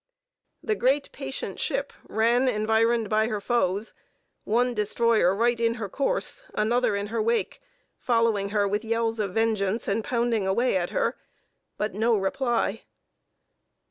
The great patient ship ran environed by her foes; one destroyer right in her course, another in her wake, following her with yells of vengeance, and pounding away at her—but no reply.